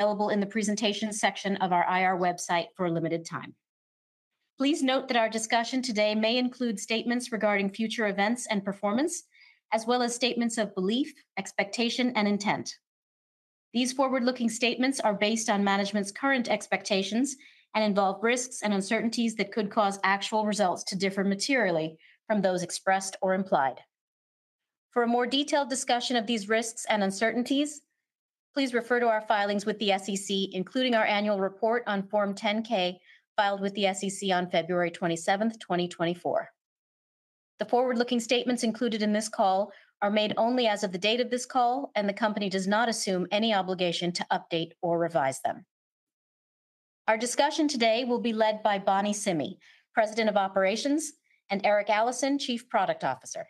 Available in the presentation section of our IR website for a limited time. Please note that our discussion today may include statements regarding future events and performance, as well as statements of belief, expectation, and intent. These forward-looking statements are based on management's current expectations and involve risks and uncertainties that could cause actual results to differ materially from those expressed or implied. For a more detailed discussion of these risks and uncertainties, please refer to our filings with the SEC, including our annual report on Form 10-K filed with the SEC on February 27th, 2024. The forward-looking statements included in this call are made only as of the date of this call, and the company does not assume any obligation to update or revise them. Our discussion today will be led by Bonny Simi, President of Operations, and Eric Allison, Chief Product Officer.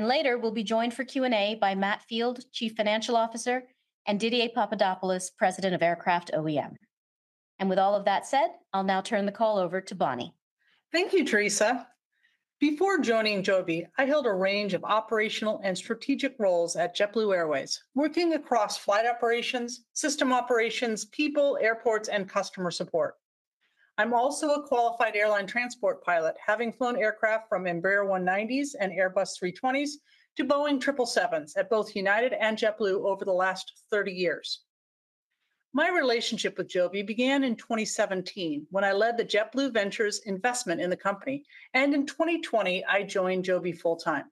Later, we'll be joined for Q&A by Matt Field, Chief Financial Officer, and Didier Papadopoulos, President of Aircraft OEM. With all of that said, I'll now turn the call over to Bonny. Thank you, Teresa. Before joining Joby, I held a range of operational and strategic roles at JetBlue Airways, working across flight operations, system operations, people, airports, and customer support. I'm also a qualified airline transport pilot, having flown aircraft from Embraer E190s and Airbus A320s to Boeing 777s at both United and JetBlue over the last 30 years. My relationship with Joby began in 2017 when I led the JetBlue Ventures investment in the company, and in 2020, I joined Joby full-time.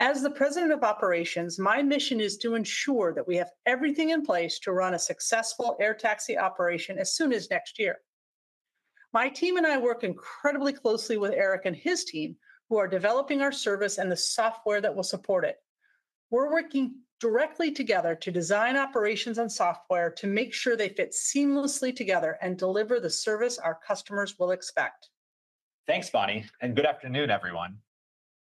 As the President of Operations, my mission is to ensure that we have everything in place to run a successful air taxi operation as soon as next year. My team and I work incredibly closely with Eric and his team, who are developing our service and the software that will support it. We're working directly together to design operations and software to make sure they fit seamlessly together and deliver the service our customers will expect. Thanks, Bonny, and good afternoon, everyone.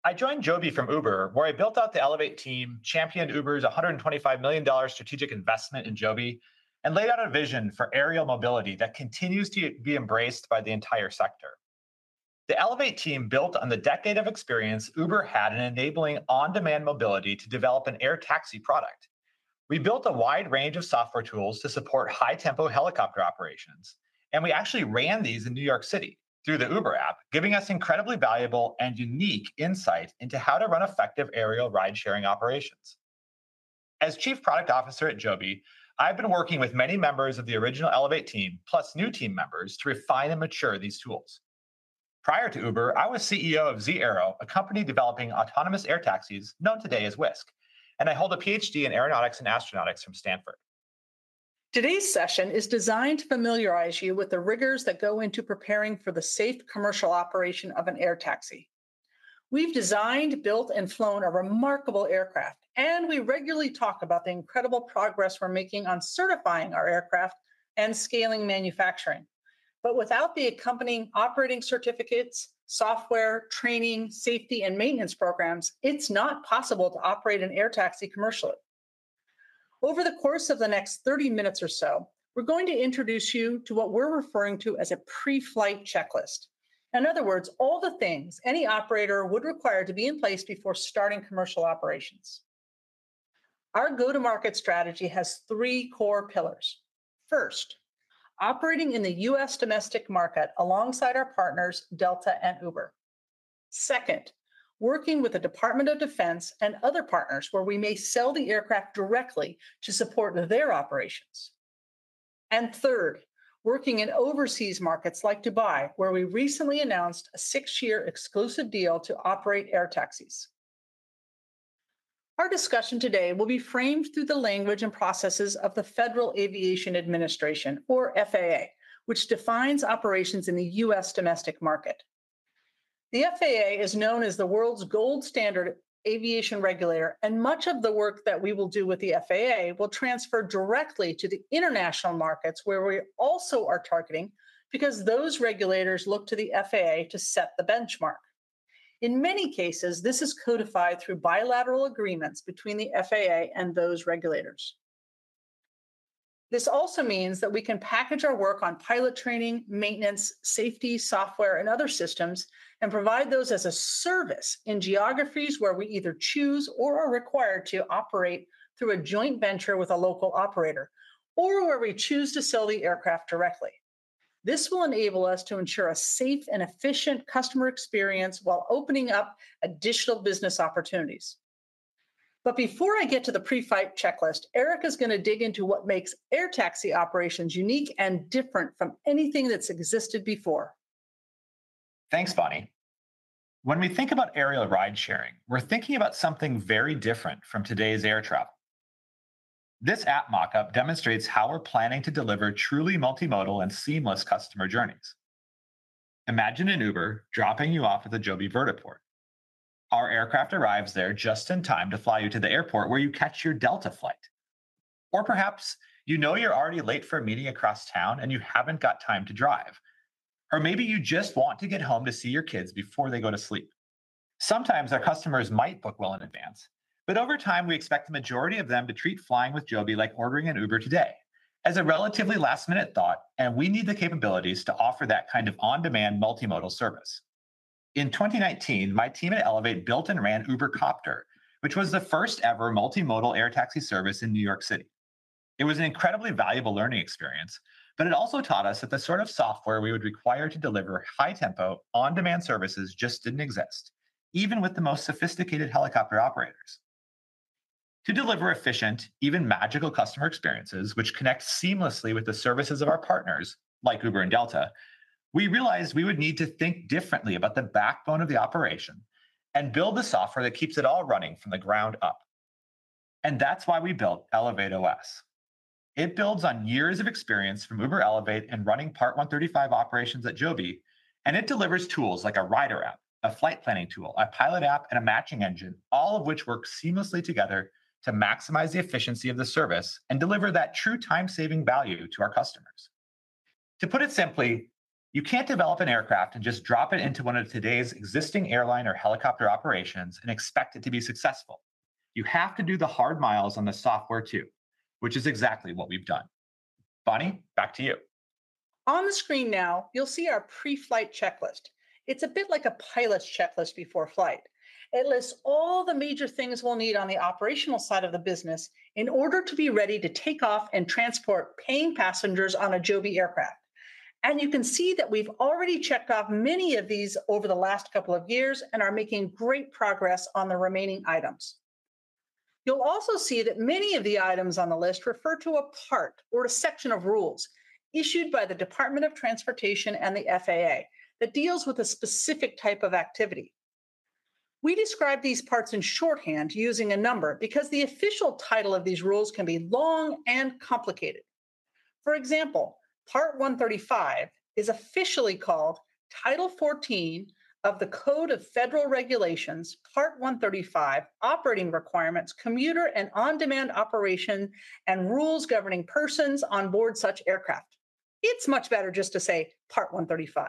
I joined Joby from Uber, where I built out the Elevate team, championed Uber's $125 million strategic investment in Joby, and laid out a vision for aerial mobility that continues to be embraced by the entire sector. The Elevate team built on the decade of experience Uber had in enabling on-demand mobility to develop an air taxi product. We built a wide range of software tools to support high-tempo helicopter operations, and we actually ran these in New York City through the Uber app, giving us incredibly valuable and unique insight into how to run effective aerial ride-sharing operations. As Chief Product Officer at Joby, I've been working with many members of the original Elevate team, plus new team members, to refine and mature these tools. Prior to Uber, I was CEO of Zee Aero, a company developing autonomous air taxis, known today as Wisk Aero, and I hold a PhD in aeronautics and astronautics from Stanford. Today's session is designed to familiarize you with the rigors that go into preparing for the safe commercial operation of an air taxi. We've designed, built, and flown a remarkable aircraft, and we regularly talk about the incredible progress we're making on certifying our aircraft and scaling manufacturing. But without the accompanying operating certificates, software, training, safety, and maintenance programs, it's not possible to operate an air taxi commercially. Over the course of the next 30 minutes or so, we're going to introduce you to what we're referring to as a pre-flight checklist. In other words, all the things any operator would require to be in place before starting commercial operations. Our go-to-market strategy has three core pillars. First, operating in the U.S. domestic market alongside our partners, Delta and Uber. Second, working with the Department of Defense and other partners where we may sell the aircraft directly to support their operations. And third, working in overseas markets like Dubai, where we recently announced a six-year exclusive deal to operate air taxis. Our discussion today will be framed through the language and processes of the Federal Aviation Administration, or FAA, which defines operations in the U.S. domestic market. The FAA is known as the world's gold standard aviation regulator, and much of the work that we will do with the FAA will transfer directly to the international markets where we also are targeting because those regulators look to the FAA to set the benchmark. In many cases, this is codified through bilateral agreements between the FAA and those regulators. This also means that we can package our work on pilot training, maintenance, safety, software, and other systems, and provide those as a service in geographies where we either choose or are required to operate through a joint venture with a local operator, or where we choose to sell the aircraft directly. This will enable us to ensure a safe and efficient customer experience while opening up additional business opportunities. But before I get to the pre-flight checklist, Eric is going to dig into what makes air taxi operations unique and different from anything that's existed before. Thanks, Bonny. When we think about aerial ride-sharing, we're thinking about something very different from today's air travel. This app mockup demonstrates how we're planning to deliver truly multimodal and seamless customer journeys. Imagine an Uber dropping you off at the Joby Vertiport. Our aircraft arrives there just in time to fly you to the airport where you catch your Delta flight. Or perhaps you know you're already late for a meeting across town and you haven't got time to drive. Or maybe you just want to get home to see your kids before they go to sleep. Sometimes our customers might book well in advance, but over time we expect the majority of them to treat flying with Joby like ordering an Uber today, as a relatively last-minute thought, and we need the capabilities to offer that kind of on-demand multimodal service. In 2019, my team at Elevate built and ran Uber Copter, which was the first ever multimodal air taxi service in New York City. It was an incredibly valuable learning experience, but it also taught us that the sort of software we would require to deliver high-tempo on-demand services just didn't exist, even with the most sophisticated helicopter operators. To deliver efficient, even magical customer experiences which connect seamlessly with the services of our partners like Uber and Delta, we realized we would need to think differently about the backbone of the operation and build the software that keeps it all running from the ground up. And that's why we built ElevateOS. It builds on years of experience from Uber Elevate and running Part 135 operations at Joby, and it delivers tools like a rider app, a flight planning tool, a pilot app, and a matching engine, all of which work seamlessly together to maximize the efficiency of the service and deliver that true time-saving value to our customers. To put it simply, you can't develop an aircraft and just drop it into one of today's existing airline or helicopter operations and expect it to be successful. You have to do the hard miles on the software too, which is exactly what we've done. Bonny, back to you. On the screen now, you'll see our pre-flight checklist. It's a bit like a pilot's checklist before flight. It lists all the major things we'll need on the operational side of the business in order to be ready to take off and transport paying passengers on a Joby aircraft. And you can see that we've already checked off many of these over the last couple of years and are making great progress on the remaining items. You'll also see that many of the items on the list refer to a part or a section of rules issued by the Department of Transportation and the FAA that deals with a specific type of activity. We describe these parts in shorthand using a number because the official title of these rules can be long and complicated. For example, Part 135 is officially called Title 14 of the Code of Federal Regulations, Part 135, Operating Requirements, Commuter and On-Demand Operation, and Rules Governing Persons on Board Such Aircraft. It's much better just to say Part 135.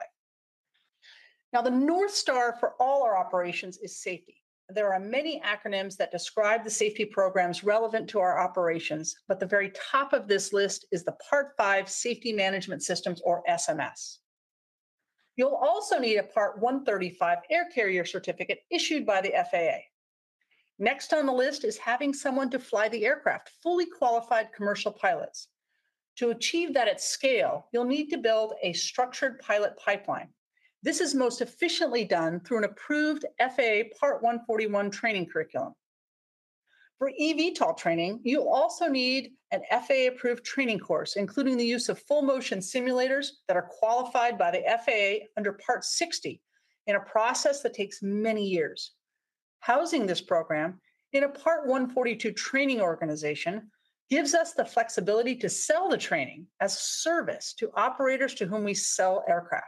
Now, the North Star for all our operations is safety. There are many acronyms that describe the safety programs relevant to our operations, but the very top of this list is the Part 5 Safety Management Systems, or SMS. You'll also need a Part 135 Air Carrier Certificate issued by the FAA. Next on the list is having someone to fly the aircraft, fully qualified commercial pilots. To achieve that at scale, you'll need to build a structured pilot pipeline. This is most efficiently done through an approved FAA Part 141 training curriculum. For eVTOL training, you'll also need an FAA-approved training course, including the use of full-motion simulators that are qualified by the FAA under Part 60 in a process that takes many years. Housing this program in a Part 142 training organization gives us the flexibility to sell the training as a service to operators to whom we sell aircraft.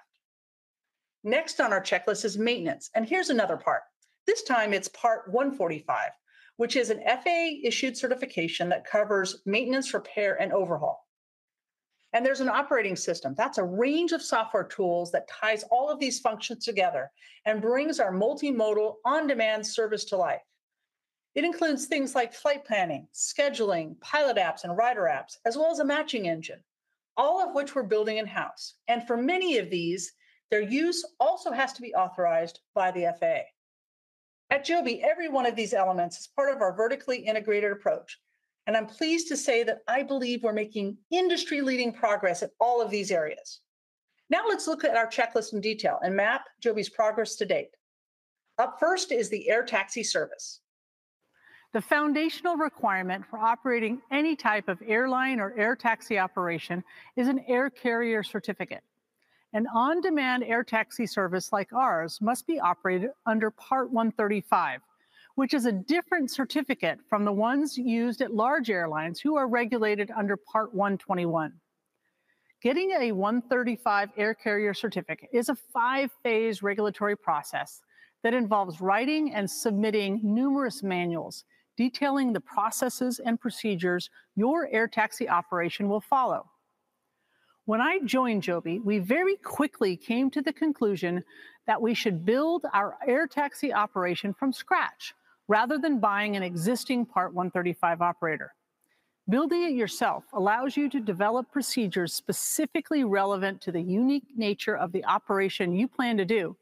Next on our checklist is maintenance, and here's another part. This time, it's Part 145, which is an FAA-issued certification that covers maintenance, repair, and overhaul. There's an operating system. That's a range of software tools that ties all of these functions together and brings our multimodal on-demand service to life. It includes things like flight planning, scheduling, pilot apps, and rider apps, as well as a matching engine, all of which we're building in-house. For many of these, their use also has to be authorized by the FAA. At Joby, every one of these elements is part of our vertically integrated approach, and I'm pleased to say that I believe we're making industry-leading progress in all of these areas. Now let's look at our checklist in detail and map Joby's progress to date. Up first is the air taxi service. The foundational requirement for operating any type of airline or air taxi operation is an air carrier certificate. An on-demand air taxi service like ours must be operated under Part 135, which is a different certificate from the ones used at large airlines who are regulated under Part 121. Getting a 135 air carrier certificate is a 5-phase regulatory process that involves writing and submitting numerous manuals detailing the processes and procedures your air taxi operation will follow. When I joined Joby, we very quickly came to the conclusion that we should build our air taxi operation from scratch rather than buying an existing Part 135 operator. Building it yourself allows you to develop procedures specifically relevant to the unique nature of the operation you plan to do,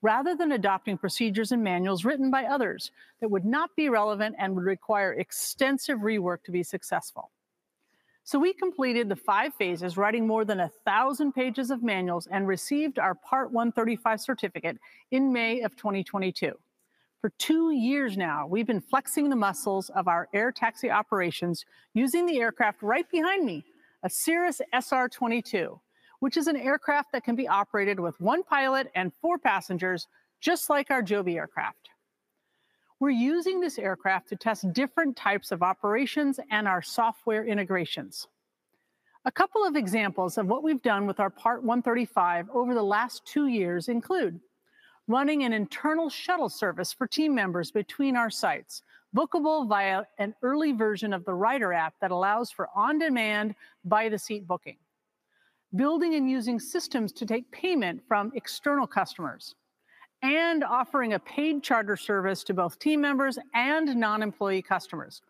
rather than adopting procedures and manuals written by others that would not be relevant and would require extensive rework to be successful. So we completed the five phases, writing more than 1,000 pages of manuals, and received our Part 135 certificate in May of 2022. For two years now, we've been flexing the muscles of our air taxi operations using the aircraft right behind me, a Cirrus SR22, which is an aircraft that can be operated with one pilot and four passengers, just like our Joby aircraft. We're using this aircraft to test different types of operations and our software integrations. A couple of examples of what we've done with our Part 135 over the last two years include running an internal shuttle service for team members between our sites, bookable via an early version of the rider app that allows for on-demand by-the-seat booking, building and using systems to take payment from external customers, and offering a paid charter service to both team members and non-employee customers.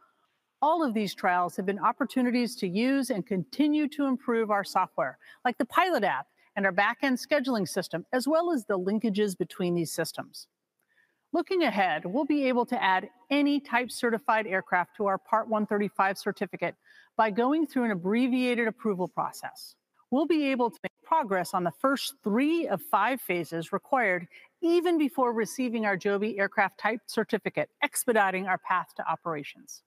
All of these trials have been opportunities to use and continue to improve our software, like the pilot app and our back-end scheduling system, as well as the linkages between these systems. Looking ahead, we'll be able to add any type certified aircraft to our Part 135 certificate by going through an abbreviated approval process. We'll be able to make progress on the first three of five phases required even before receiving our Joby aircraft type certificate, expediting our path to operations.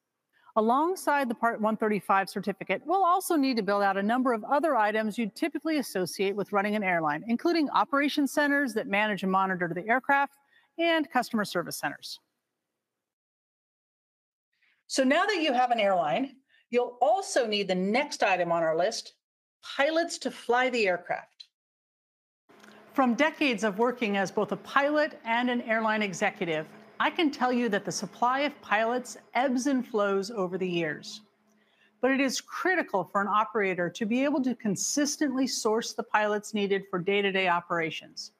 Alongside the Part 135 certificate, we'll also need to build out a number of other items you'd typically associate with running an airline, including operations centers that manage and monitor the aircraft and customer service centers. Now that you have an airline, you'll also need the next item on our list, pilots to fly the aircraft. From decades of working as both a pilot and an airline executive, I can tell you that the supply of pilots ebbs and flows over the years. But it is critical for an operator to be able to consistently source the pilots needed for day-to-day operations.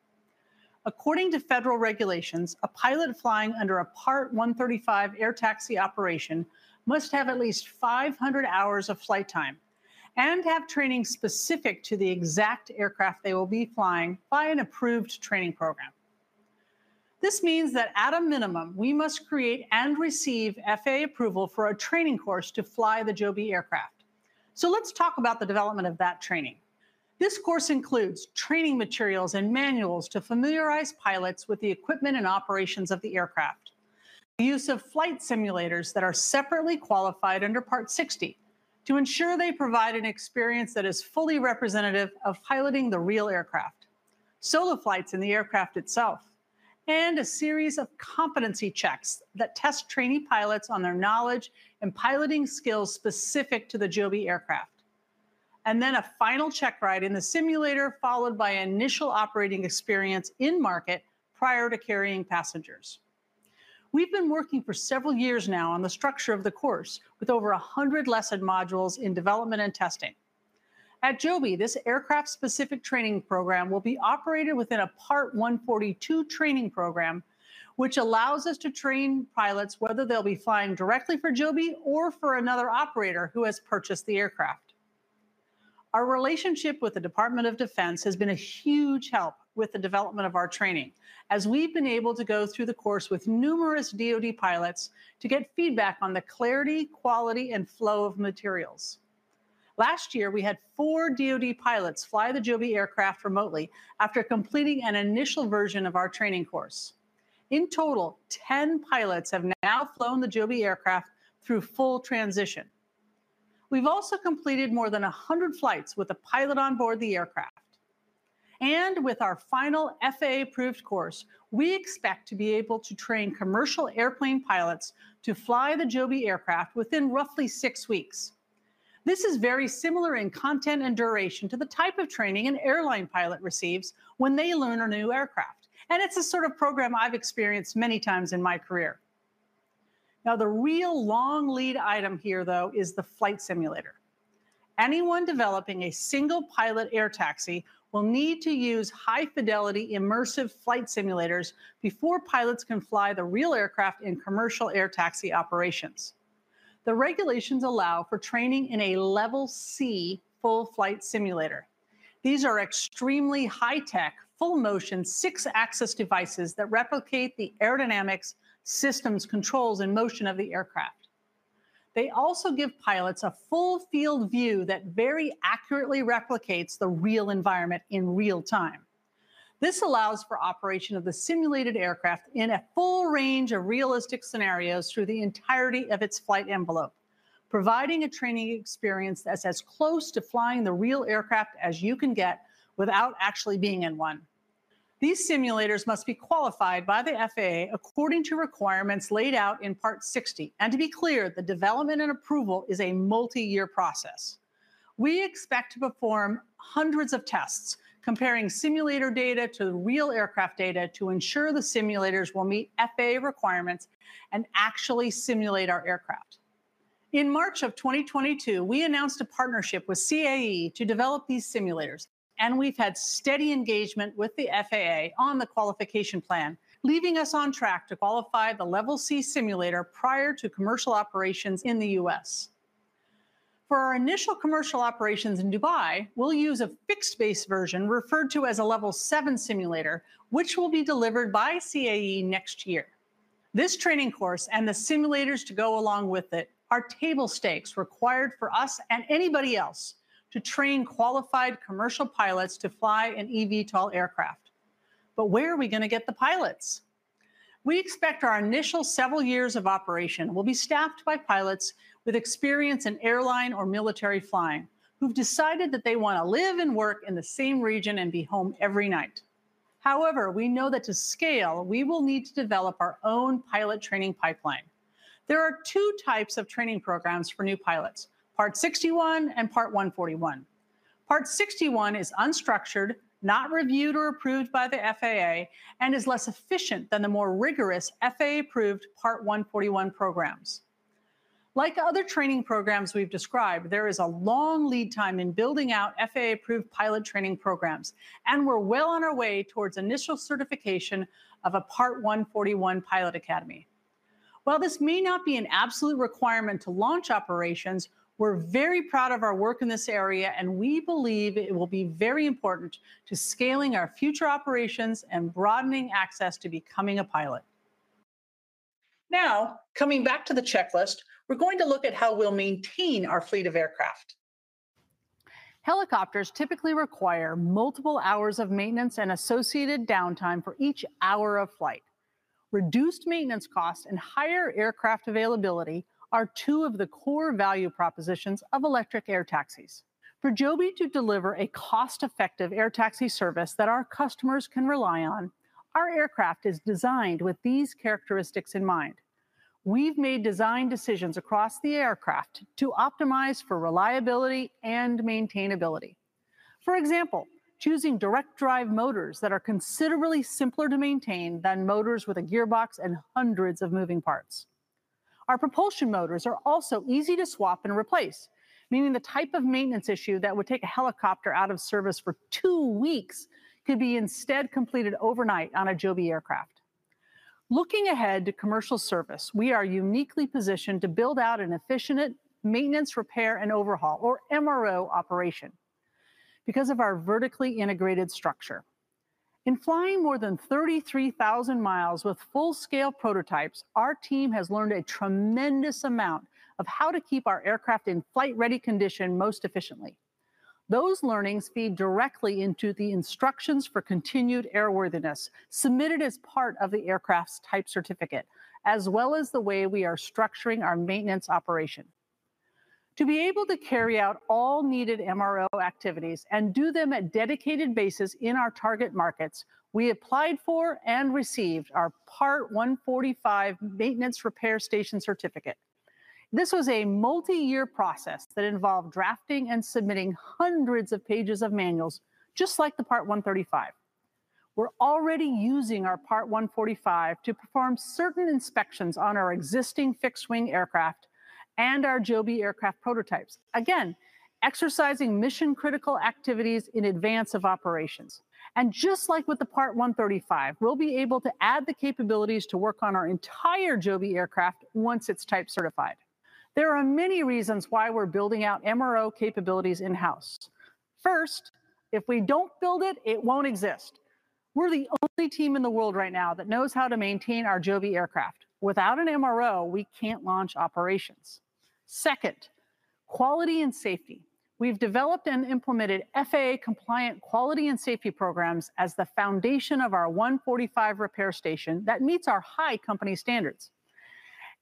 According to federal regulations, a pilot flying under a Part 135 air taxi operation must have at least 500 hours of flight time and have training specific to the exact aircraft they will be flying by an approved training program. This means that at a minimum, we must create and receive FAA approval for a training course to fly the Joby aircraft. Let's talk about the development of that training. This course includes training materials and manuals to familiarize pilots with the equipment and operations of the aircraft, the use of flight simulators that are separately qualified under Part 60 to ensure they provide an experience that is fully representative of piloting the real aircraft, solo flights in the aircraft itself, and a series of competency checks that test trainee pilots on their knowledge and piloting skills specific to the Joby aircraft. Then a final check ride in the simulator, followed by initial operating experience in market prior to carrying passengers. We've been working for several years now on the structure of the course, with over 100 lesson modules in development and testing. At Joby, this aircraft-specific training program will be operated within a Part 142 training program, which allows us to train pilots, whether they'll be flying directly for Joby or for another operator who has purchased the aircraft. Our relationship with the Department of Defense has been a huge help with the development of our training, as we've been able to go through the course with numerous DoD pilots to get feedback on the clarity, quality, and flow of materials. Last year, we had 4 DoD pilots fly the Joby aircraft remotely after completing an initial version of our training course. In total, 10 pilots have now flown the Joby aircraft through full transition. We've also completed more than 100 flights with a pilot on board the aircraft. With our final FAA-approved course, we expect to be able to train commercial airplane pilots to fly the Joby aircraft within roughly six weeks. This is very similar in content and duration to the type of training an airline pilot receives when they learn a new aircraft. It's the sort of program I've experienced many times in my career. Now, the real long lead item here, though, is the flight simulator. Anyone developing a single-pilot air taxi will need to use high-fidelity immersive flight simulators before pilots can fly the real aircraft in commercial air taxi operations. The regulations allow for training in a Level C full-flight simulator. These are extremely high-tech, full-motion, six-axis devices that replicate the aerodynamics, systems, controls, and motion of the aircraft. They also give pilots a full field view that very accurately replicates the real environment in real time. This allows for operation of the simulated aircraft in a full range of realistic scenarios through the entirety of its flight envelope, providing a training experience that's as close to flying the real aircraft as you can get without actually being in one. These simulators must be qualified by the FAA according to requirements laid out in Part 60. And to be clear, the development and approval is a multi-year process. We expect to perform hundreds of tests, comparing simulator data to real aircraft data to ensure the simulators will meet FAA requirements and actually simulate our aircraft. In March of 2022, we announced a partnership with CAE to develop these simulators, and we've had steady engagement with the FAA on the qualification plan, leaving us on track to qualify the Level C simulator prior to commercial operations in the U.S. For our initial commercial operations in Dubai, we'll use a fixed-based version referred to as a Level 7 simulator, which will be delivered by CAE next year. This training course and the simulators to go along with it are table stakes required for us and anybody else to train qualified commercial pilots to fly an eVTOL aircraft. But where are we going to get the pilots? We expect our initial several years of operation will be staffed by pilots with experience in airline or military flying who've decided that they want to live and work in the same region and be home every night. However, we know that to scale, we will need to develop our own pilot training pipeline. There are two types of training programs for new pilots: Part 61 and Part 141. Part 61 is unstructured, not reviewed or approved by the FAA, and is less efficient than the more rigorous FAA-approved Part 141 programs. Like other training programs we've described, there is a long lead time in building out FAA-approved pilot training programs, and we're well on our way towards initial certification of a Part 141 pilot academy. While this may not be an absolute requirement to launch operations, we're very proud of our work in this area, and we believe it will be very important to scaling our future operations and broadening access to becoming a pilot. Now, coming back to the checklist, we're going to look at how we'll maintain our fleet of aircraft. Helicopters typically require multiple hours of maintenance and associated downtime for each hour of flight. Reduced maintenance costs and higher aircraft availability are two of the core value propositions of electric air taxis. For Joby to deliver a cost-effective air taxi service that our customers can rely on, our aircraft is designed with these characteristics in mind. We've made design decisions across the aircraft to optimize for reliability and maintainability. For example, choosing direct-drive motors that are considerably simpler to maintain than motors with a gearbox and hundreds of moving parts. Our propulsion motors are also easy to swap and replace, meaning the type of maintenance issue that would take a helicopter out of service for two weeks could be instead completed overnight on a Joby aircraft. Looking ahead to commercial service, we are uniquely positioned to build out an efficient maintenance, repair, and overhaul, or MRO, operation because of our vertically integrated structure. In flying more than 33,000 miles with full-scale prototypes, our team has learned a tremendous amount of how to keep our aircraft in flight-ready condition most efficiently. Those learnings feed directly into the instructions for continued airworthiness submitted as part of the aircraft's type certificate, as well as the way we are structuring our maintenance operation. To be able to carry out all needed MRO activities and do them at dedicated bases in our target markets, we applied for and received our Part 145 maintenance repair station certificate. This was a multi-year process that involved drafting and submitting hundreds of pages of manuals, just like the Part 135. We're already using our Part 145 to perform certain inspections on our existing fixed-wing aircraft and our Joby aircraft prototypes, again, exercising mission-critical activities in advance of operations. And just like with the Part 135, we'll be able to add the capabilities to work on our entire Joby aircraft once it's type certified. There are many reasons why we're building out MRO capabilities in-house. First, if we don't build it, it won't exist. We're the only team in the world right now that knows how to maintain our Joby aircraft. Without an MRO, we can't launch operations. Second, quality and safety. We've developed and implemented FAA-compliant quality and safety programs as the foundation of our 145 repair station that meets our high company standards.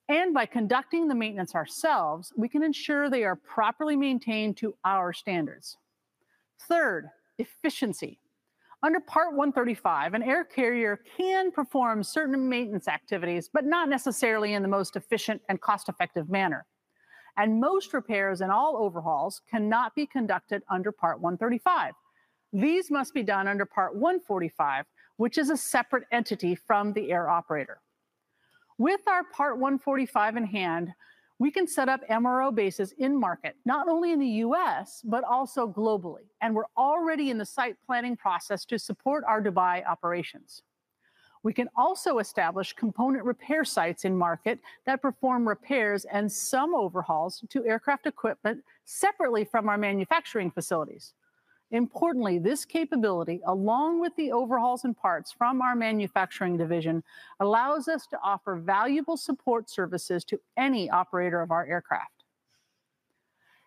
And by conducting the maintenance ourselves, we can ensure they are properly maintained to our standards. Third, efficiency. Under Part 135, an air carrier can perform certain maintenance activities, but not necessarily in the most efficient and cost-effective manner. Most repairs and all overhauls cannot be conducted under Part 135. These must be done under Part 145, which is a separate entity from the air operator. With our Part 145 in hand, we can set up MRO bases in market, not only in the U.S., but also globally. We're already in the site planning process to support our Dubai operations. We can also establish component repair sites in market that perform repairs and some overhauls to aircraft equipment separately from our manufacturing facilities. Importantly, this capability, along with the overhauls and parts from our manufacturing division, allows us to offer valuable support services to any operator of our aircraft.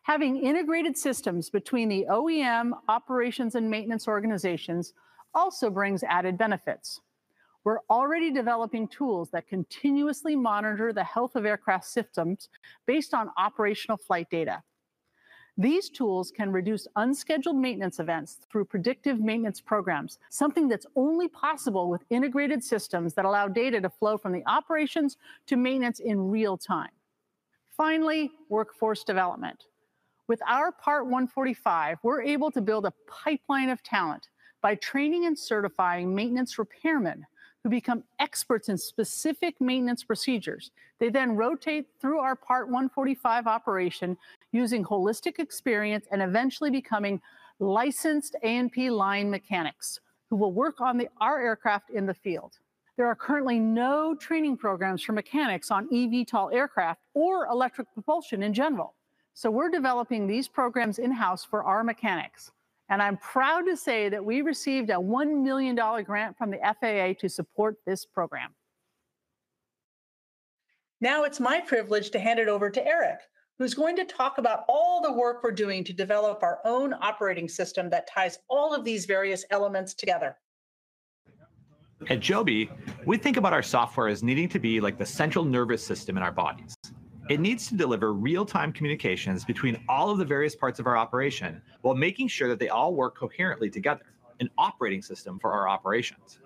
Having integrated systems between the OEM, operations, and maintenance organizations also brings added benefits. We're already developing tools that continuously monitor the health of aircraft systems based on operational flight data. These tools can reduce unscheduled maintenance events through predictive maintenance programs, something that's only possible with integrated systems that allow data to flow from the operations to maintenance in real time. Finally, workforce development. With our Part 145, we're able to build a pipeline of talent by training and certifying maintenance repairmen who become experts in specific maintenance procedures. They then rotate through our Part 145 operation using holistic experience and eventually becoming licensed A&P line mechanics who will work on our aircraft in the field. There are currently no training programs for mechanics on eVTOL aircraft or electric propulsion in general. So we're developing these programs in-house for our mechanics. I'm proud to say that we received a $1 million grant from the FAA to support this program. Now it's my privilege to hand it over to Eric, who's going to talk about all the work we're doing to develop our own operating system that ties all of these various elements together. At Joby, we think about our software as needing to be like the central nervous system in our bodies. It needs to deliver real-time communications between all of the various parts of our operation while making sure that they all work coherently together. An operating system for our operations.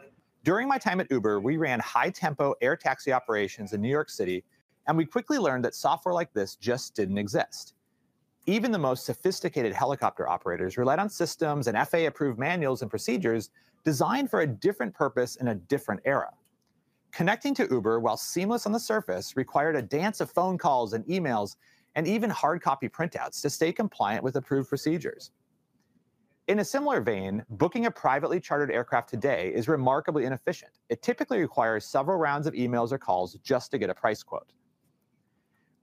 During my time at Uber, we ran high-tempo air taxi operations in New York City, and we quickly learned that software like this just didn't exist. Even the most sophisticated helicopter operators relied on systems and FAA-approved manuals and procedures designed for a different purpose in a different era. Connecting to Uber, while seamless on the surface, required a dance of phone calls and emails and even hard copy printouts to stay compliant with approved procedures. In a similar vein, booking a privately chartered aircraft today is remarkably inefficient. It typically requires several rounds of emails or calls just to get a price quote.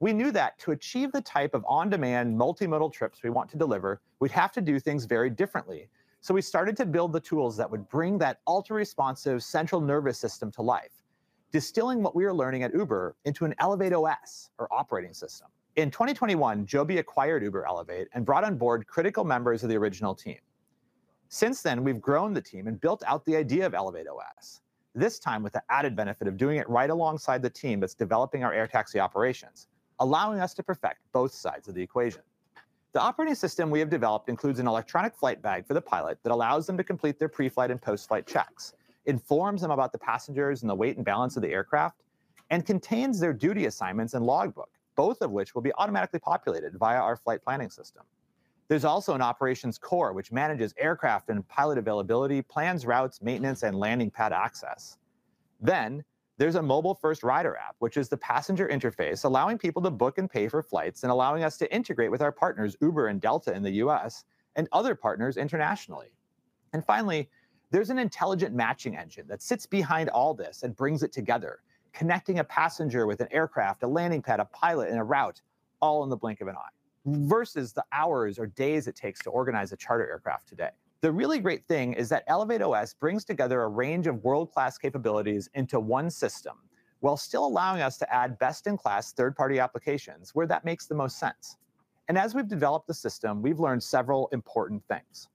We knew that to achieve the type of on-demand multi-modal trips we want to deliver, we'd have to do things very differently. So we started to build the tools that would bring that ultra-responsive central nervous system to life, distilling what we were learning at Uber into an ElevateOS, or operating system. In 2021, Joby acquired Uber Elevate and brought on board critical members of the original team. Since then, we've grown the team and built out the idea of ElevateOS, this time with the added benefit of doing it right alongside the team that's developing our air taxi operations, allowing us to perfect both sides of the equation. The operating system we have developed includes an electronic flight bag for the pilot that allows them to complete their preflight and post-flight checks, informs them about the passengers and the weight and balance of the aircraft, and contains their duty assignments and logbook, both of which will be automatically populated via our flight planning system. There's also an operations core, which manages aircraft and pilot availability, plans routes, maintenance, and landing pad access. Then there's a mobile-first rider app, which is the passenger interface, allowing people to book and pay for flights and allowing us to integrate with our partners, Uber and Delta in the U.S., and other partners internationally. And finally, there's an intelligent matching engine that sits behind all this and brings it together, connecting a passenger with an aircraft, a landing pad, a pilot, and a route all in the blink of an eye versus the hours or days it takes to organize a charter aircraft today. The really great thing is that ElevateOS brings together a range of world-class capabilities into one system while still allowing us to add best-in-class third-party applications where that makes the most sense. And as we've developed the system, we've learned several important things.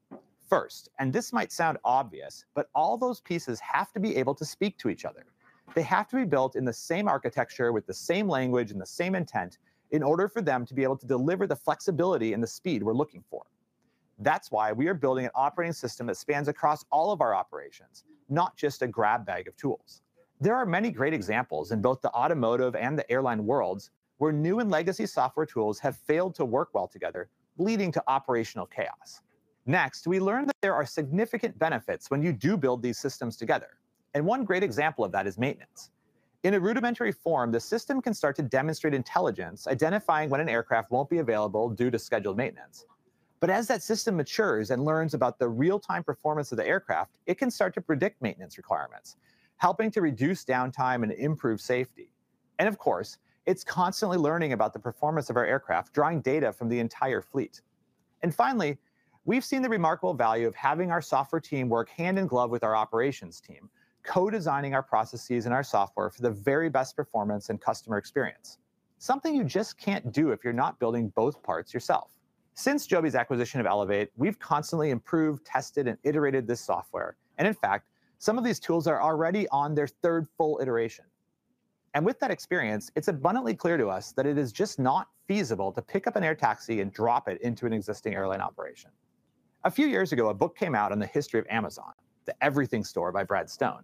First, and this might sound obvious, but all those pieces have to be able to speak to each other. They have to be built in the same architecture with the same language and the same intent in order for them to be able to deliver the flexibility and the speed we're looking for. That's why we are building an operating system that spans across all of our operations, not just a grab bag of tools. There are many great examples in both the automotive and the airline worlds where new and legacy software tools have failed to work well together, leading to operational chaos. Next, we learned that there are significant benefits when you do build these systems together. One great example of that is maintenance. In a rudimentary form, the system can start to demonstrate intelligence, identifying when an aircraft won't be available due to scheduled maintenance. But as that system matures and learns about the real-time performance of the aircraft, it can start to predict maintenance requirements, helping to reduce downtime and improve safety. Of course, it's constantly learning about the performance of our aircraft, drawing data from the entire fleet. Finally, we've seen the remarkable value of having our software team work hand in glove with our operations team, co-designing our processes and our software for the very best performance and customer experience, something you just can't do if you're not building both parts yourself. Since Joby's acquisition of Elevate, we've constantly improved, tested, and iterated this software. In fact, some of these tools are already on their third full iteration. With that experience, it's abundantly clear to us that it is just not feasible to pick up an air taxi and drop it into an existing airline operation. A few years ago, a book came out on the history of Amazon, The Everything Store by Brad Stone.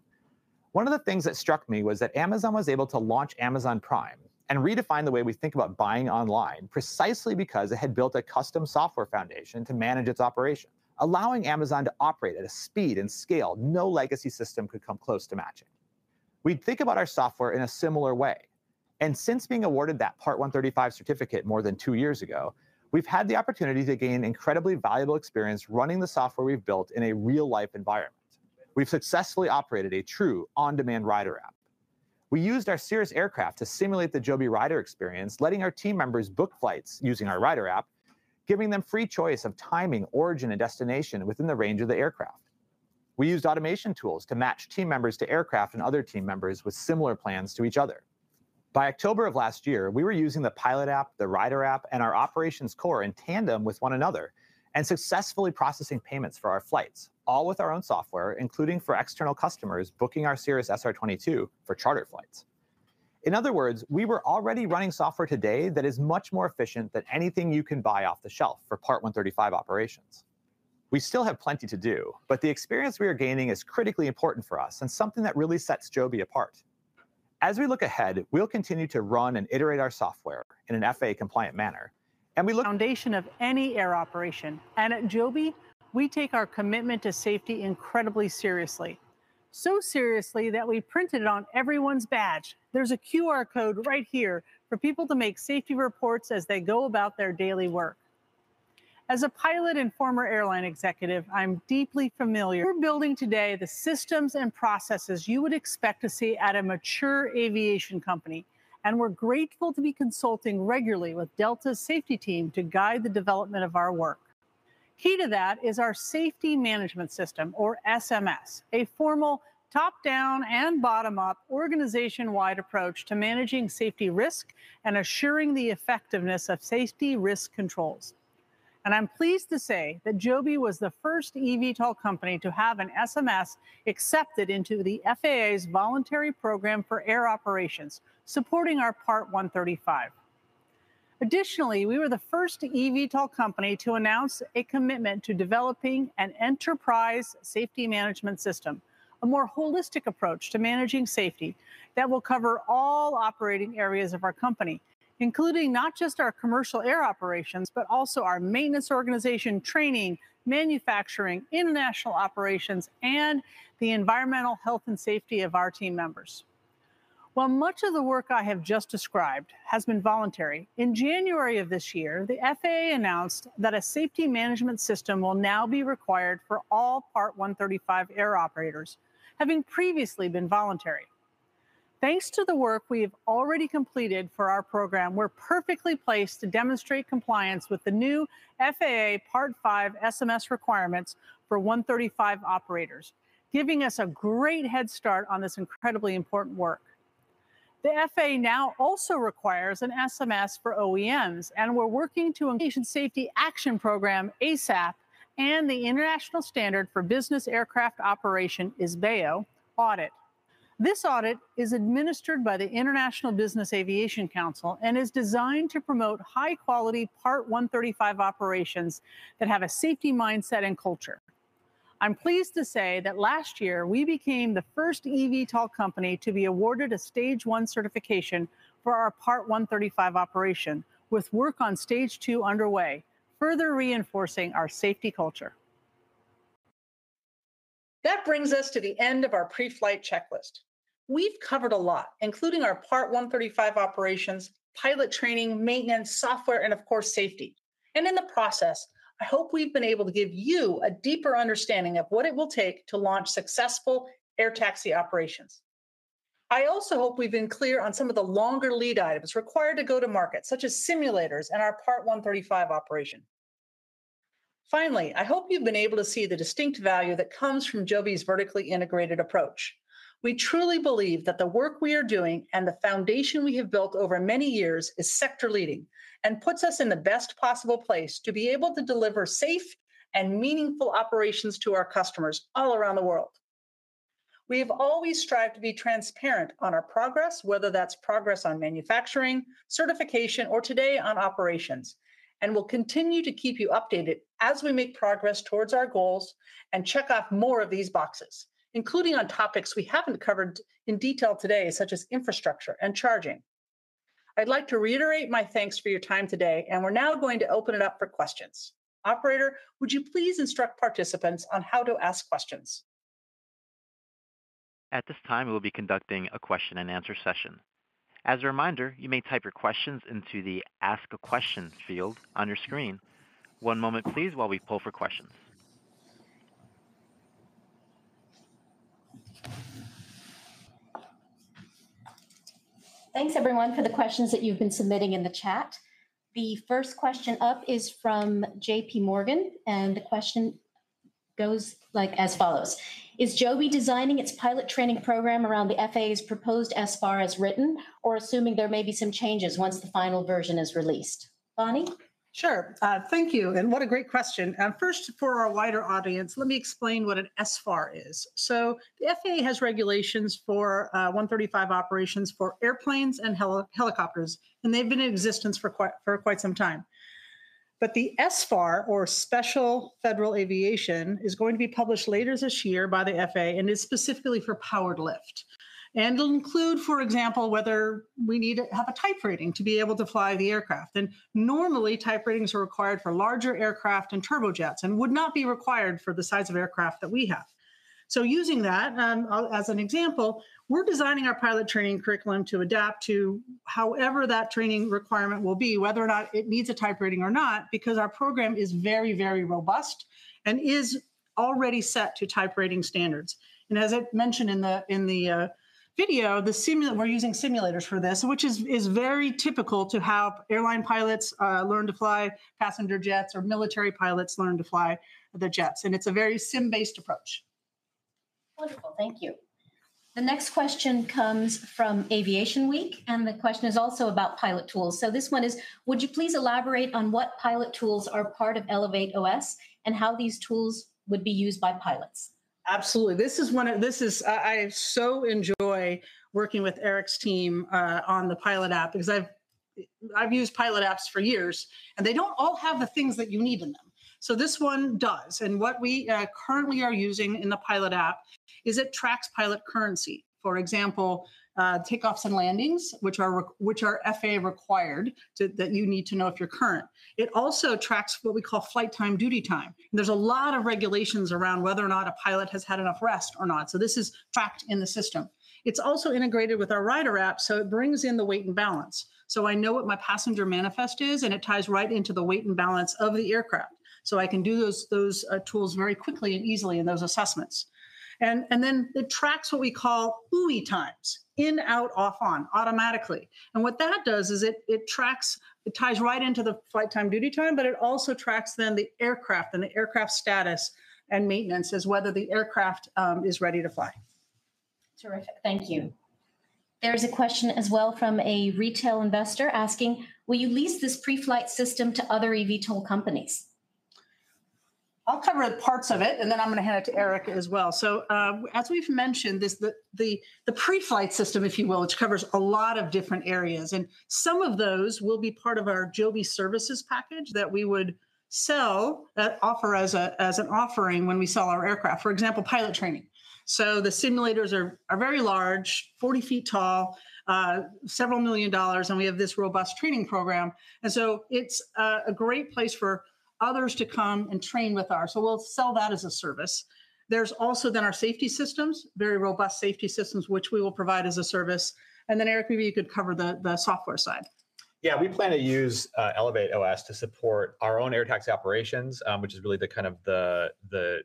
One of the things that struck me was that Amazon was able to launch Amazon Prime and redefine the way we think about buying online precisely because it had built a custom software foundation to manage its operations, allowing Amazon to operate at a speed and scale no legacy system could come close to matching. We'd think about our software in a similar way. Since being awarded that Part 135 certificate more than 2 years ago, we've had the opportunity to gain incredibly valuable experience running the software we've built in a real-life environment. We've successfully operated a true on-demand rider app. We used our Cirrus aircraft to simulate the Joby rider experience, letting our team members book flights using our rider app, giving them free choice of timing, origin, and destination within the range of the aircraft. We used automation tools to match team members to aircraft and other team members with similar plans to each other. By October of last year, we were using the pilot app, the rider app, and our operations core in tandem with one another and successfully processing payments for our flights, all with our own software, including for external customers booking our Cirrus SR22 for charter flights. In other words, we were already running software today that is much more efficient than anything you can buy off the shelf for Part 135 operations. We still have plenty to do, but the experience we are gaining is critically important for us and something that really sets Joby apart. As we look ahead, we'll continue to run and iterate our software in an FAA-compliant manner. We look. Foundation of any air operation. At Joby, we take our commitment to safety incredibly seriously, so seriously that we printed it on everyone's badge. There's a QR code right here for people to make safety reports as they go about their daily work. As a pilot and former airline executive, I'm deeply familiar. We're building today the systems and processes you would expect to see at a mature aviation company. We're grateful to be consulting regularly with Delta's safety team to guide the development of our work. Key to that is our safety management system, or SMS, a formal top-down and bottom-up organization-wide approach to managing safety risk and assuring the effectiveness of safety risk controls. I'm pleased to say that Joby was the first eVTOL company to have an SMS accepted into the FAA's voluntary program for air operations supporting our Part 135. Additionally, we were the first eVTOL company to announce a commitment to developing an enterprise safety management system, a more holistic approach to managing safety that will cover all operating areas of our company, including not just our commercial air operations, but also our maintenance organization, training, manufacturing, international operations, and the environmental health and safety of our team members. While much of the work I have just described has been voluntary, in January of this year, the FAA announced that a safety management system will now be required for all Part 135 air operators, having previously been voluntary. Thanks to the work we have already completed for our program, we're perfectly placed to demonstrate compliance with the new FAA Part 5 SMS requirements for 135 operators, giving us a great head start on this incredibly important work. The FAA now also requires an SMS for OEMs, and we're working to. Aviation Safety Action Program, ASAP, and the International Standard for Business Aircraft Operations, IS-BAO, audit. This audit is administered by the International Business Aviation Council and is designed to promote high-quality Part 135 operations that have a safety mindset and culture. I'm pleased to say that last year, we became the first eVTOL company to be awarded a Stage 1 certification for our Part 135 operation, with work on Stage 2 underway, further reinforcing our safety culture. That brings us to the end of our preflight checklist. We've covered a lot, including our Part 135 operations, pilot training, maintenance, software, and of course, safety. In the process, I hope we've been able to give you a deeper understanding of what it will take to launch successful air taxi operations. I also hope we've been clear on some of the longer lead items required to go to market, such as simulators and our Part 135 operation. Finally, I hope you've been able to see the distinct value that comes from Joby's vertically integrated approach. We truly believe that the work we are doing and the foundation we have built over many years is sector-leading and puts us in the best possible place to be able to deliver safe and meaningful operations to our customers all around the world. We have always strived to be transparent on our progress, whether that's progress on manufacturing, certification, or today on operations, and we'll continue to keep you updated as we make progress towards our goals and check off more of these boxes, including on topics we haven't covered in detail today, such as infrastructure and charging. I'd like to reiterate my thanks for your time today, and we're now going to open it up for questions. Operator, would you please instruct participants on how to ask questions? At this time, we will be conducting a question-and-answer session. As a reminder, you may type your questions into the Ask a Question field on your screen. One moment, please, while we pull for questions. Thanks, everyone, for the questions that you've been submitting in the chat. The first question up is from JPMorgan, and the question goes as follows: Is Joby designing its pilot training program around the FAA's proposed SFAR as written, or assuming there may be some changes once the final version is released? Bonny? Sure. Thank you. What a great question. First, for our wider audience, let me explain what an SFAR is. So the FAA has regulations for 135 operations for airplanes and helicopters, and they've been in existence for quite some time. The SFAR, or Special Federal Aviation Regulation, is going to be published later this year by the FAA and is specifically for powered lift. It'll include, for example, whether we need to have a type rating to be able to fly the aircraft. Normally, type ratings are required for larger aircraft and turbojets and would not be required for the size of aircraft that we have. So using that as an example, we're designing our pilot training curriculum to adapt to however that training requirement will be, whether or not it needs a type rating or not, because our program is very, very robust and is already set to type rating standards. As I mentioned in the video, we're using simulators for this, which is very typical to how airline pilots learn to fly passenger jets or military pilots learn to fly the jets. And it's a very SIM-based approach. Wonderful. Thank you. The next question comes from Aviation Week, and the question is also about pilot tools. So this one is, would you please elaborate on what pilot tools are part of ElevateOS and how these tools would be used by pilots? Absolutely. This is one of—I so enjoy working with Eric's team on the pilot app because I've used pilot apps for years, and they don't all have the things that you need in them. So this one does. And what we currently are using in the pilot app is it tracks pilot currency. For example, takeoffs and landings, which are FAA-required that you need to know if you're current. It also tracks what we call flight time duty time. There's a lot of regulations around whether or not a pilot has had enough rest or not. So this is tracked in the system. It's also integrated with our rider app, so it brings in the weight and balance. So I know what my passenger manifest is, and it ties right into the weight and balance of the aircraft. So I can do those tools very quickly and easily in those assessments. And then it tracks what we call OOE times, in, out, off, on, automatically. And what that does is it ties right into the flight time duty time, but it also tracks then the aircraft and the aircraft status and maintenance as whether the aircraft is ready to fly. Terrific. Thank you. There's a question as well from a retail investor asking, "Will you lease this preflight system to other eVTOL companies?" I'll cover parts of it, and then I'm going to hand it to Eric as well. So as we've mentioned, the preflight system, if you will, which covers a lot of different areas. Some of those will be part of our Joby services package that we would sell, offer as an offering when we sell our aircraft, for example, pilot training. So the simulators are very large, 40 feet tall, $several million, and we have this robust training program. So it's a great place for others to come and train with ours. So we'll sell that as a service. There's also then our safety systems, very robust safety systems, which we will provide as a service. And then Eric, maybe you could cover the software side. Yeah, we plan to use ElevateOS to support our own air taxi operations, which is really the kind of the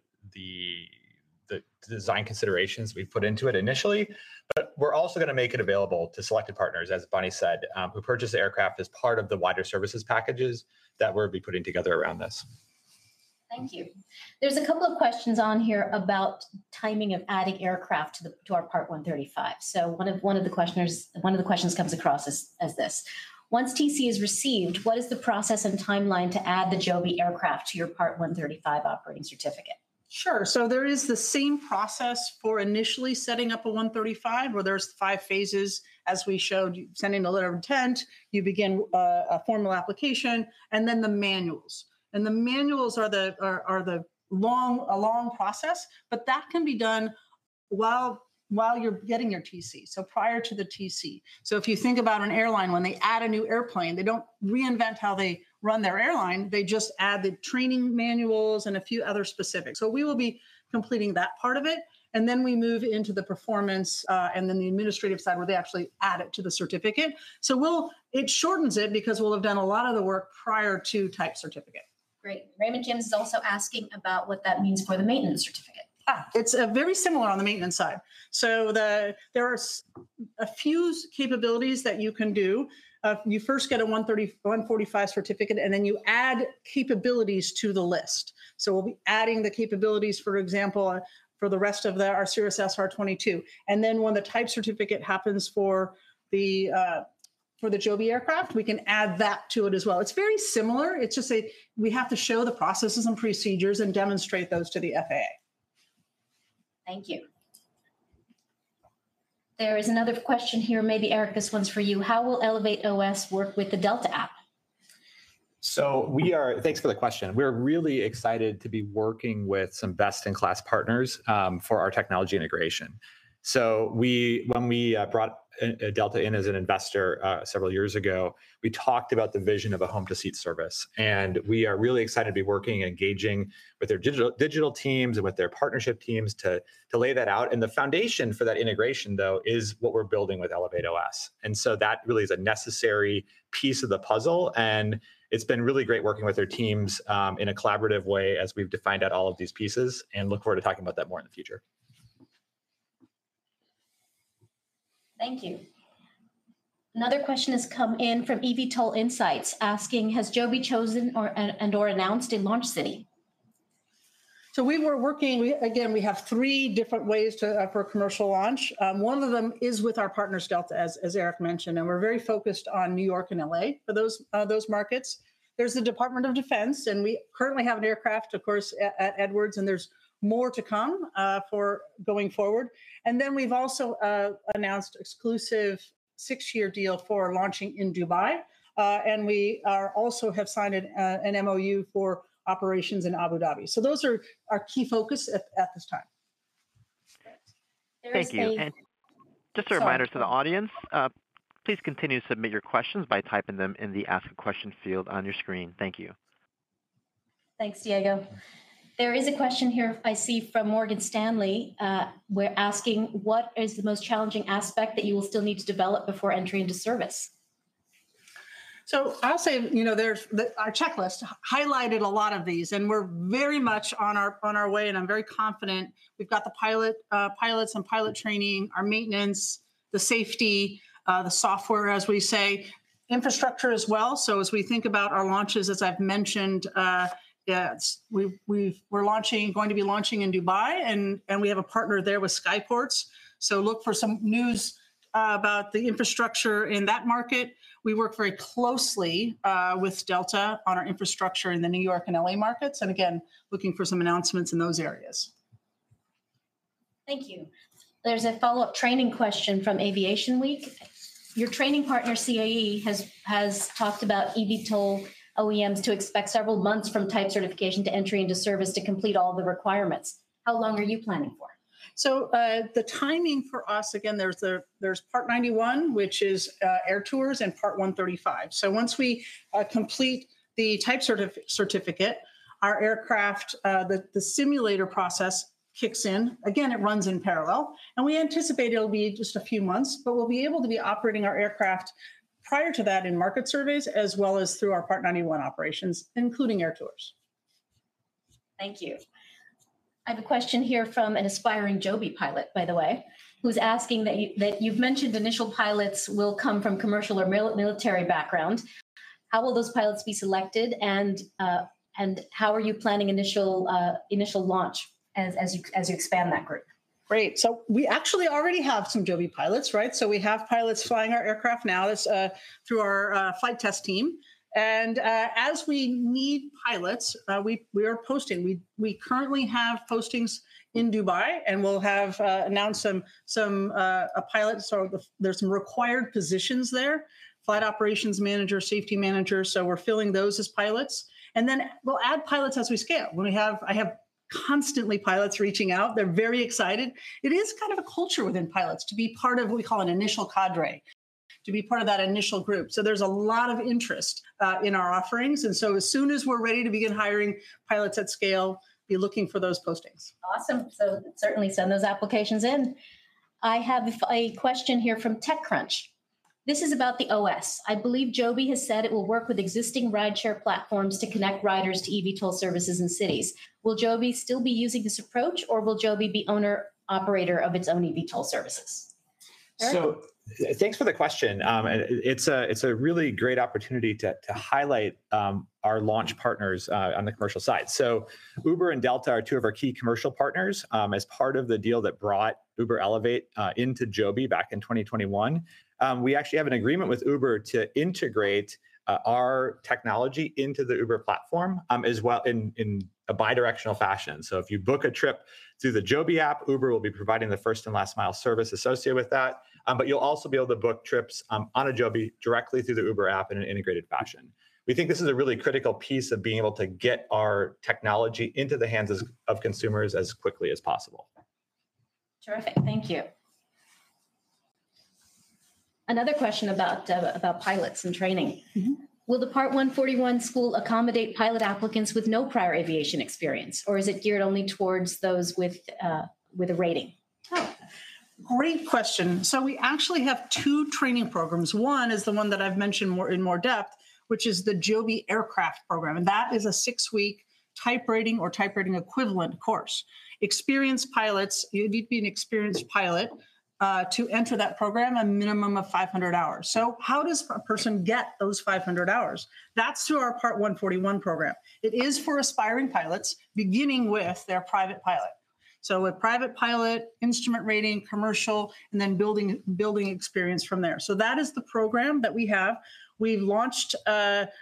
design considerations we've put into it initially. But we're also going to make it available to selected partners, as Bonny said, who purchase the aircraft as part of the wider services packages that we'll be putting together around this. Thank you. There's a couple of questions on here about timing of adding aircraft to our Part 135. So one of the questions comes across as this. Once TC is received, what is the process and timeline to add the Joby aircraft to your Part 135 operating certificate? Sure. So there is the same process for initially setting up a 135, where there's five phases, as we showed, sending a letter of intent, you begin a formal application, and then the manuals. And the manuals are the long process, but that can be done while you're getting your TC, so prior to the TC. So if you think about an airline, when they add a new airplane, they don't reinvent how they run their airline. They just add the training manuals and a few other specifics. So we will be completing that part of it. And then we move into the performance and then the administrative side where they actually add it to the certificate. So it shortens it because we'll have done a lot of the work prior to type certificate. Great. Raymond James is also asking about what that means for the maintenance certificate. It's very similar on the maintenance side. So there are a few capabilities that you can do. You first get a Part 145 certificate, and then you add capabilities to the list. So we'll be adding the capabilities, for example, for the rest of our Cirrus SR22. Then when the Type Certificate happens for the Joby aircraft, we can add that to it as well. It's very similar. It's just that we have to show the processes and procedures and demonstrate those to the FAA. Thank you. There is another question here. Maybe Eric, this one's for you. How will ElevateOS work with the Delta app? So thanks for the question. We're really excited to be working with some best-in-class partners for our technology integration. So when we brought Delta in as an investor several years ago, we talked about the vision of a home-to-seat service. And we are really excited to be working and engaging with their digital teams and with their partnership teams to lay that out. And the foundation for that integration, though, is what we're building with ElevateOS. And so that really is a necessary piece of the puzzle. It's been really great working with their teams in a collaborative way as we've defined out all of these pieces. And look forward to talking about that more in the future. Thank you. Another question has come in from eVTOL Insights asking, has Joby chosen and/or announced in launch city? So we were working, again, we have three different ways for a commercial launch. One of them is with our partners, Delta, as Eric mentioned. And we're very focused on New York and L.A. for those markets. There's the Department of Defense. And we currently have an aircraft, of course, at Edwards, and there's more to come going forward. And then we've also announced an exclusive six-year deal for launching in Dubai. And we also have signed an MoU for operations in Abu Dhabi. So those are our key focus at this time. Thank you. Just a reminder to the audience, please continue to submit your questions by typing them in the Ask a Question field on your screen. Thank you. Thanks, Diego. There is a question here I see from Morgan Stanley. We're asking, what is the most challenging aspect that you will still need to develop before entering into service? So I'll say our checklist highlighted a lot of these. We're very much on our way. I'm very confident we've got the pilots and pilot training, our maintenance, the safety, the software, as we say, infrastructure as well. As we think about our launches, as I've mentioned, we're going to be launching in Dubai. We have a partner there with Skyports. Look for some news about the infrastructure in that market. We work very closely with Delta on our infrastructure in the New York and L.A. markets. Again, looking for some announcements in those areas. Thank you. There's a follow-up training question from Aviation Week. Your training partner, CAE, has talked about eVTOL OEMs to expect several months from type certification to entry into service to complete all the requirements. How long are you planning for? So the timing for us, again, there's Part 91, which is air tours, and Part 135. So once we complete the type certificate, our aircraft, the simulator process kicks in. Again, it runs in parallel. And we anticipate it'll be just a few months, but we'll be able to be operating our aircraft prior to that in market surveys as well as through our Part 91 operations, including air tours. Thank you. I have a question here from an aspiring Joby pilot, by the way, who's asking that you've mentioned initial pilots will come from commercial or military background. How will those pilots be selected? And how are you planning initial launch as you expand that group? Great. So we actually already have some Joby pilots, right? So we have pilots flying our aircraft now through our flight test team. And as we need pilots, we are posting. We currently have postings in Dubai. And we'll announce a pilot. So there's some required positions there: flight operations manager, safety manager. So we're filling those as pilots. And then we'll add pilots as we scale. I have constantly pilots reaching out. They're very excited. It is kind of a culture within pilots to be part of what we call an initial cadre, to be part of that initial group. So there's a lot of interest in our offerings. And so as soon as we're ready to begin hiring pilots at scale, be looking for those postings. Awesome. Certainly send those applications in. I have a question here from TechCrunch. This is about the OS. I believe Joby has said it will work with existing rideshare platforms to connect riders to eVTOL services in cities. Will Joby still be using this approach, or will Joby be owner-operator of its own eVTOL services? Thanks for the question. It's a really great opportunity to highlight our launch partners on the commercial side. Uber and Delta are two of our key commercial partners as part of the deal that brought Uber Elevate into Joby back in 2021. We actually have an agreement with Uber to integrate our technology into the Uber platform in a bidirectional fashion. If you book a trip through the Joby app, Uber will be providing the first and last mile service associated with that. But you'll also be able to book trips on a Joby directly through the Uber app in an integrated fashion. We think this is a really critical piece of being able to get our technology into the hands of consumers as quickly as possible. Terrific. Thank you. Another question about pilots and training. Will the Part 141 school accommodate pilot applicants with no prior aviation experience, or is it geared only towards those with a rating? Great question. So we actually have two training programs. One is the one that I've mentioned in more depth, which is the Joby Aircraft Program. And that is a 6-week type rating or type rating equivalent course. Experienced pilots, you need to be an experienced pilot to enter that program, a minimum of 500 hours. So how does a person get those 500 hours? That's through our Part 141 program. It is for aspiring pilots beginning with their private pilot. So a private pilot, instrument rating, commercial, and then building experience from there. So that is the program that we have. We launched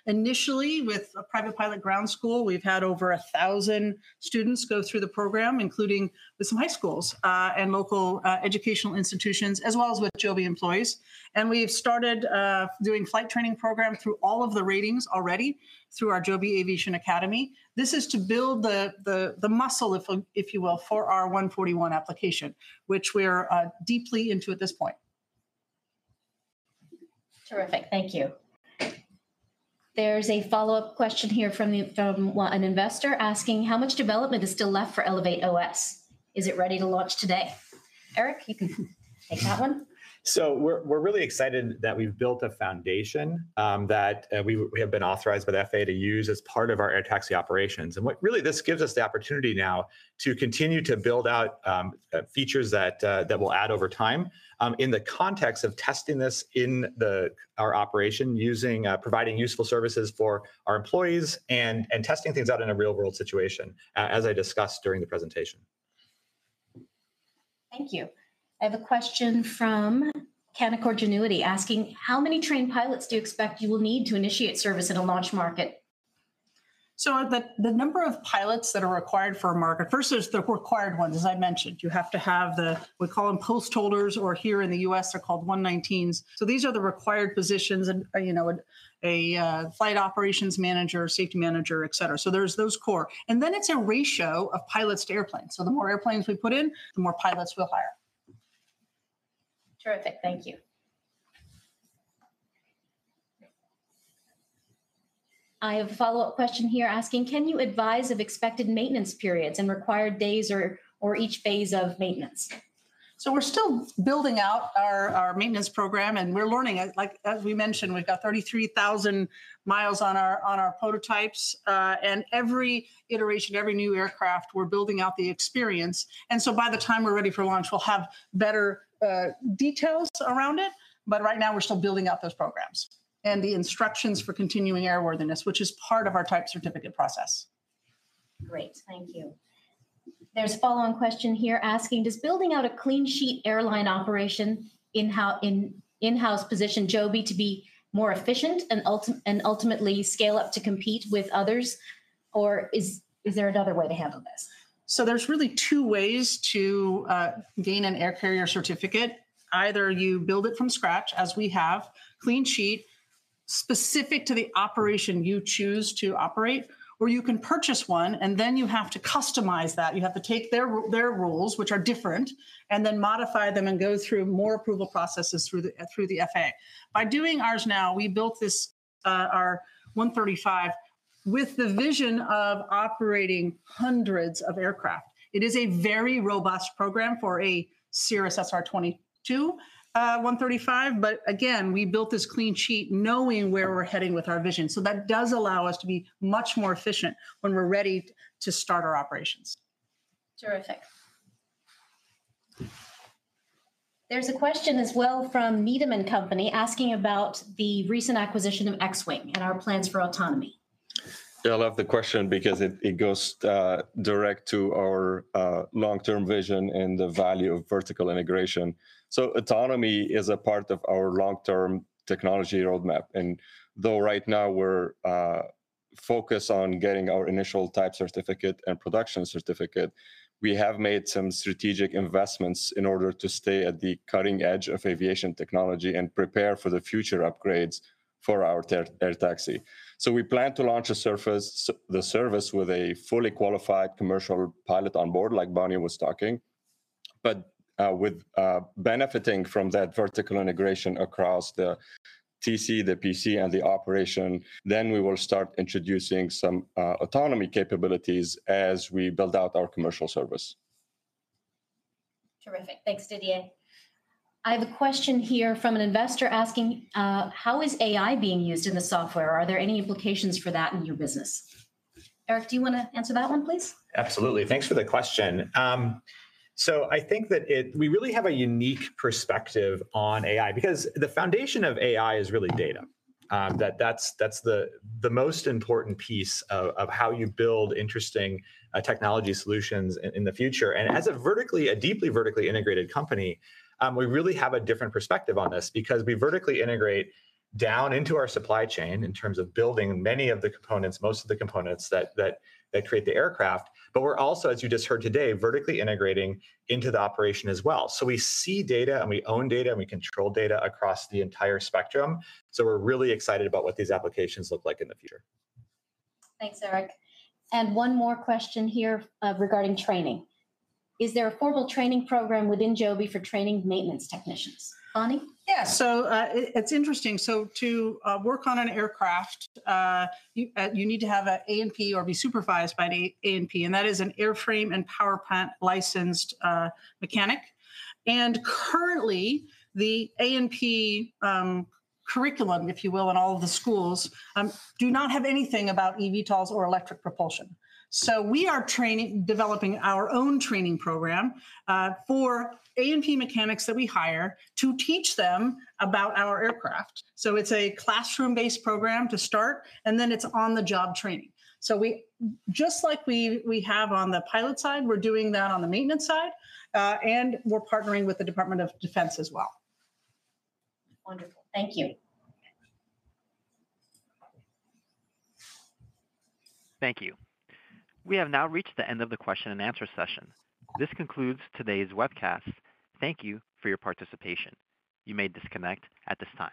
initially with a private pilot ground school. We've had over 1,000 students go through the program, including with some high schools and local educational institutions, as well as with Joby employees. And we've started doing flight training programs through all of the ratings already through our Joby Aviation Academy. This is to build the muscle, if you will, for our 141 application, which we're deeply into at this point. Terrific. Thank you. There's a follow-up question here from an investor asking, how much development is still left for ElevateOS? Is it ready to launch today? Eric, you can take that one. So we're really excited that we've built a foundation that we have been authorized by the FAA to use as part of our air taxi operations. And really, this gives us the opportunity now to continue to build out features that we'll add over time in the context of testing this in our operation, providing useful services for our employees, and testing things out in a real-world situation, as I discussed during the presentation. Thank you. I have a question from Canaccord Genuity asking, how many trained pilots do you expect you will need to initiate service in a launch market? So the number of pilots that are required for a market, first, there's the required ones, as I mentioned. You have to have the, we call them post holders, or here in the US, they're called 119s. So these are the required positions: a flight operations manager, safety manager, et cetera. So there's those core. And then it's a ratio of pilots to airplanes. So the more airplanes we put in, the more pilots we'll hire. Terrific. Thank you. I have a follow-up question here asking, can you advise of expected maintenance periods and required days or each phase of maintenance? So we're still building out our maintenance program. And we're learning, as we mentioned, we've got 33,000 miles on our prototypes. And every iteration, every new aircraft, we're building out the experience. And so by the time we're ready for launch, we'll have better details around it. But right now, we're still building out those programs and the instructions for continued airworthiness, which is part of our type certificate process. Great. Thank you. There's a follow-on question here asking, does building out a clean sheet airline operation in-house position Joby to be more efficient and ultimately scale up to compete with others? Or is there another way to handle this? So there's really two ways to gain an air carrier certificate. Either you build it from scratch, as we have, clean sheet, specific to the operation you choose to operate, or you can purchase one. And then you have to customize that. You have to take their rules, which are different, and then modify them and go through more approval processes through the FAA. By doing ours now, we built our 135 with the vision of operating hundreds of aircraft. It is a very robust program for a Cirrus SR22 135. But again, we built this clean sheet knowing where we're heading with our vision. So that does allow us to be much more efficient when we're ready to start our operations. Terrific. There's a question as well from Meadow Wood & Company asking about the recent acquisition of Xwing and our plans for autonomy. Yeah, I love the question because it goes direct to our long-term vision and the value of vertical integration. So autonomy is a part of our long-term technology roadmap. And though right now we're focused on getting our initial type certificate and production certificate, we have made some strategic investments in order to stay at the cutting edge of aviation technology and prepare for the future upgrades for our air taxi. So we plan to launch the service with a fully qualified commercial pilot on board, like Bonny was talking. But with benefiting from that vertical integration across the TC, the PC, and the operation, then we will start introducing some autonomy capabilities as we build out our commercial service. Terrific. Thanks, Didier. I have a question here from an investor asking, how is AI being used in the software? Are there any implications for that in your business? Eric, do you want to answer that one, please? Absolutely. Thanks for the question. So I think that we really have a unique perspective on AI because the foundation of AI is really data. That's the most important piece of how you build interesting technology solutions in the future. And as a vertically, a deeply vertically integrated company, we really have a different perspective on this because we vertically integrate down into our supply chain in terms of building many of the components, most of the components that create the aircraft. But we're also, as you just heard today, vertically integrating into the operation as well. So we see data, and we own data, and we control data across the entire spectrum. So we're really excited about what these applications look like in the future. Thanks, Eric. And one more question here regarding training. Is there a formal training program within Joby for training maintenance technicians? Bonny? Yeah. So it's interesting. So to work on an aircraft, you need to have an A&P or be supervised by an A&P. And that is an airframe and powerplant licensed mechanic. And currently, the A&P curriculum, if you will, in all of the schools do not have anything about eVTOLs or electric propulsion. So we are developing our own training program for A&P mechanics that we hire to teach them about our aircraft. So it's a classroom-based program to start, and then it's on-the-job training. So just like we have on the pilot side, we're doing that on the maintenance side. And we're partnering with the Department of Defense as well. Wonderful. Thank you. Thank you. We have now reached the end of the question and answer session. This concludes today's webcast. Thank you for your participation. You may disconnect at this time.